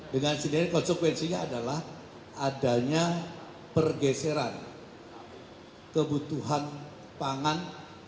dengan sendirinya konsekuensinya adalah adanya pergeseran kebutuhan pangan